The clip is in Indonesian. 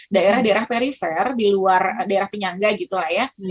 daerah daerah perifer di luar daerah penyangga gitu lah ya